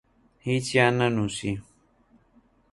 هیچیان نەنووسی.